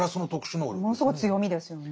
ものすごい強みですよね。